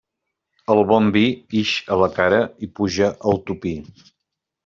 El bon vi ix a la cara i puja al topí.